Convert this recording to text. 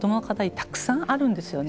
たくさんあるんですよね。